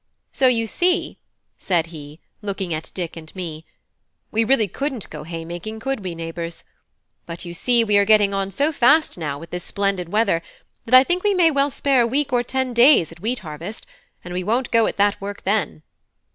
So you see," said he, looking at Dick and me, "we really couldn't go haymaking, could we, neighbours? But you see, we are getting on so fast now with this splendid weather, that I think we may well spare a week or ten days at wheat harvest; and won't we go at that work then!